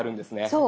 そう！